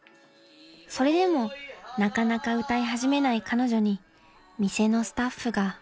［それでもなかなか歌い始めない彼女に店のスタッフが］